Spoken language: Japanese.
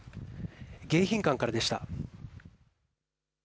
迎賓館からでした。